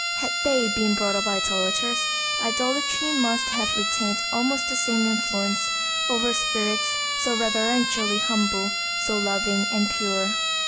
Had they been brought up idolators, idolatry must have retained almost the same influence over spirits so reverentially humble, so loving and pure.